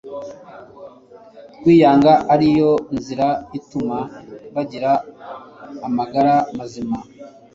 kwiyanga ari yo nzira ituma bagira amagara mazima.